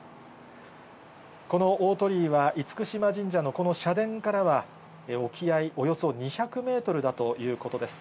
この大鳥居は、厳島神社のこの社殿からは、沖合およそ２００メートルだということです。